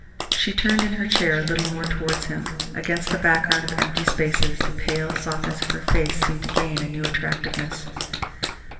She turned in her chair a little more towards him. Against the background of empty spaces, the pale softness of her face seemed to gain a new attractiveness.